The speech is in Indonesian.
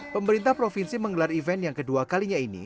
pemerintah provinsi menggelar event yang kedua kalinya ini